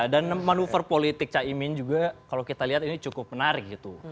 dan manuver politik caimin juga kalau kita lihat ini cukup menarik gitu